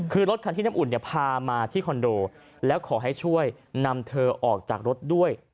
คือรถคันที่น้ำอุ่นเนี่ยพามาที่คอนโดแล้วขอให้ช่วยนำเธอออกจากรถด้วย